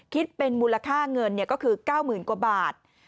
คิดเป็นมูลค่าเงินก็คือ๙๐๐๐กว่าบาท